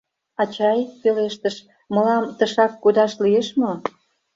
— Ачай, — пелештыш, — мылам тышак кодаш лиеш мо?